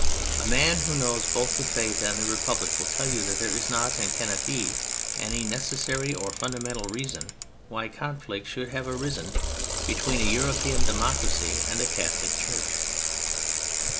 A man who knows both the Faith and the Republic will tell you that there is not and cannot be any necessary or fundamental reason why con flict should have arisen between a European Democracy and the Catholic Church.